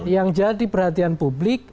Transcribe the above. yang jadi perhatian publik